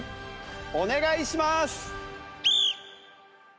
お願いします。